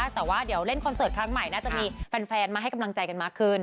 แต่ว่าเดี๋ยวเล่นคอนเสิร์ตครั้งใหม่น่าจะมีแฟนมาให้กำลังใจกันมากขึ้น